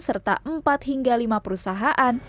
serta empat hingga lima perusahaan